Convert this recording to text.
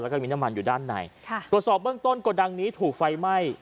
แล้วก็มีน้ำมันอยู่ด้านในค่ะตรวจสอบเบื้องต้นโกดังนี้ถูกไฟไหม้